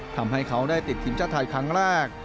ทำให้เขาได้ติดทีมชาติไทยครั้งแรก